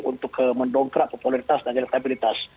untuk mendongkrak popularitas dan elektabilitas